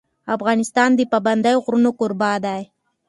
افغانستان د پابندی غرونه کوربه دی.